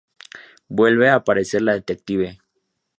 Vuelve a aparecer la detective.